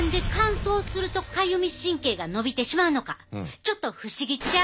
ちょっと不思議ちゃう？